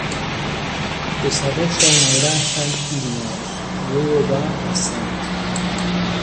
Desarrolla una granja en Illinois, luego va a St.